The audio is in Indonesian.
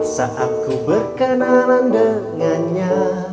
saat ku berkenalan dengannya